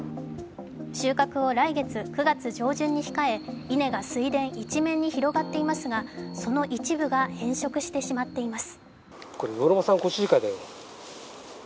収穫を来月、９月上旬に控え、稲が水田一面に広がっていますがその一部が変色してしまっています。